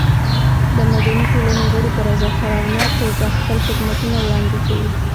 د مدني ټولنې غړي په رضاکارانه توګه خپل خدمتونه وړاندې کوي.